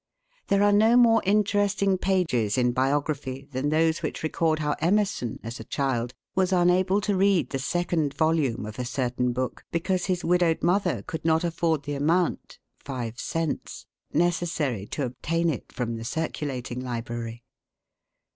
There are no more interesting pages in biography than those which record how Emerson, as a child, was unable to read the second volume of a certain book, because his widowed mother could not afford the amount (five cents) necessary to obtain it from the circulating library.